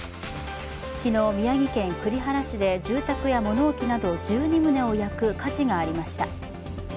昨日、宮城県栗原市で住宅や物置など１２棟を焼く火事がありました。